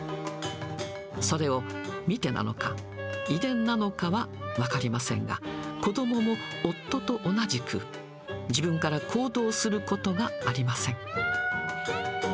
それを見てなのか、遺伝なのかは分かりませんが、子どもも夫と同じく、自分から行動することがありません。